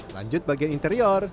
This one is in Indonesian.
lanjut bagian interior